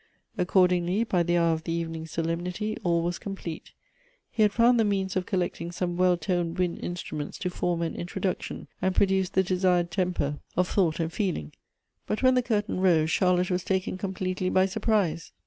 Accordingly by the hour of the evening solemnity, all was complete. He h.ad foijnd the means of collecting some well toned wind instruments to foi m an introduction, and produce the desired temper of thought and feeling. But when the curtain rose, Charlotte was taken completely by surprise.